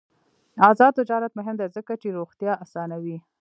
آزاد تجارت مهم دی ځکه چې روغتیا اسانوي.